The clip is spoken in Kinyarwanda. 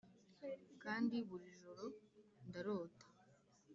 kandi buri joro ndarota